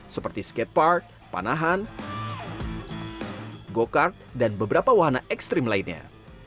seperti skatepark panahan go kart dan beberapa wahana ekstrim lainnya